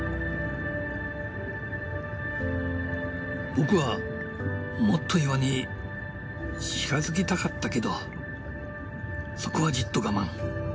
僕はもっと岩に近づきたかったけどそこはじっと我慢。